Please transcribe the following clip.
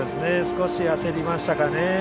少し焦りましたかね。